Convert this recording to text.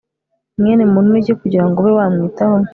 mwene muntu ni iki kugira ngo ube wamwitaho